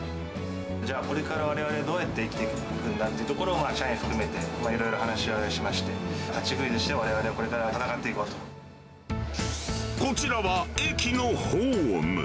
じゃあ、これからわれわれ、どうやって生きていくんだってところは、社員含めて、いろいろ話し合いをしまして、立ち食いずしでわれわれはこれから闘っていここちらは、駅のホーム。